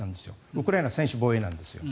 ウクライナ、専守防衛なんです。